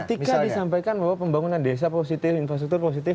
ketika disampaikan bahwa pembangunan desa positif infrastruktur positif